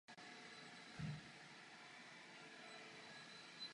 Každému z pozvaných jsem vysvětlil důvod jeho pozvání.